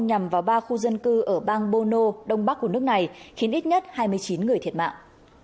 nhằm vào ba khu dân cư ở bang bono đông bắc của nước này khiến ít nhất hai mươi chín người thiệt mạng